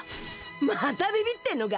またビビッてんのか？